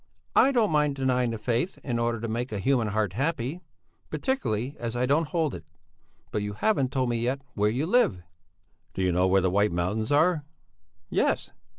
"I don't mind denying the faith in order to make a human heart happy, particularly as I don't hold it. But you haven't told me yet where you live." "Do you know where the White Mountains are?" "Yes!